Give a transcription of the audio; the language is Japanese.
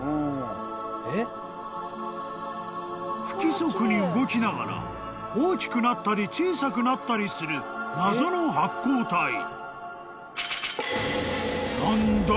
［不規則に動きながら大きくなったり小さくなったりする謎の発光体］